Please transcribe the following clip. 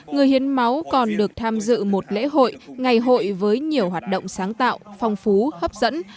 người hiến máu còn được tham dự một lễ hội ngày hội với nhiều hoạt động sáng tạo phong phú hấp dẫn